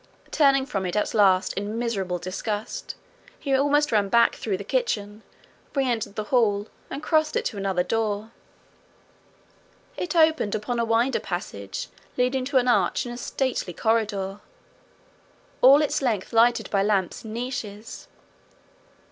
Turning from it at last in miserable disgust, he almost ran back through the kitchen, re entered the hall, and crossed it to another door. It opened upon a wider passage leading to an arch in a stately corridor, all its length lighted by lamps in niches.